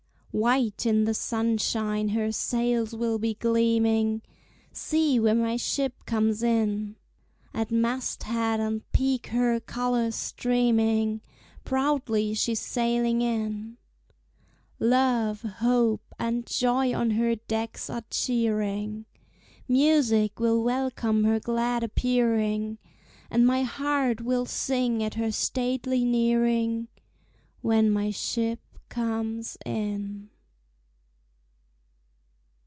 White in the sunshine her sails will be gleaming, See, where my ship comes in; At mast head and peak her colors streaming, Proudly she's sailing in; Love, hope, and joy on her decks are cheering. Music will welcome her glad appearing. And my heart will sing at her stately nearing, When my ship comes in.